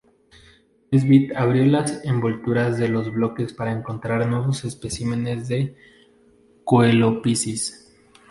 Nesbitt abrió las envolturas de los bloques para encontrar nuevos especímenes de "Coelophysis".